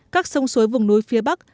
các sông suối vùng núi phía bắc